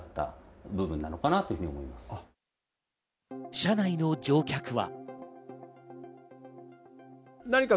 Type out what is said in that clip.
車内の乗客は。